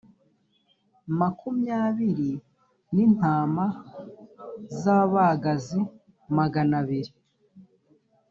makumyabiri n intama z abagazi magana abiri